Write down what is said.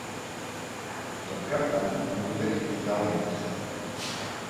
Per Cap d'Any en Dídac irà al metge.